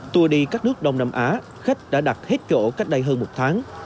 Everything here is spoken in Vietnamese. tour đi các nước đông nam á khách đã đặt hết chỗ cách đây hơn một tháng